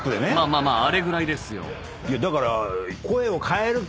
まあまああれぐらいですよ。